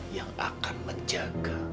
yang akan menjaga